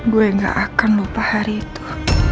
gue gak akan lupa hari itu